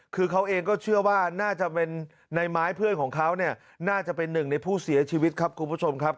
คือเขาเองก็เชื่อว่าน่าจะเป็นในไม้เพื่อนของเขาเนี่ยน่าจะเป็นหนึ่งในผู้เสียชีวิตครับคุณผู้ชมครับ